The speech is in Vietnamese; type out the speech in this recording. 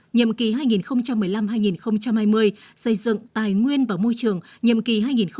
nhiệm kỳ hai nghìn một mươi năm hai nghìn hai mươi xây dựng tài nguyên và môi trường nhiệm kỳ hai nghìn hai mươi hai nghìn hai mươi